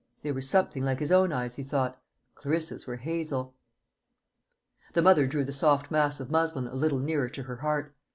They were something like his own eyes, he thought; Clarissa's were hazel. The mother drew the soft mass of muslin a little nearer to her heart.